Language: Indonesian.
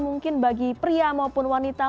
mungkin bagi pria maupun wanita